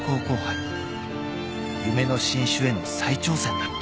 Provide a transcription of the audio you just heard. ［夢の新種への再挑戦だった］